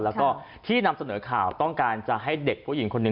แล้วก็ที่นำเสนอข่าวต้องการจะให้เด็กผู้หญิงคนหนึ่ง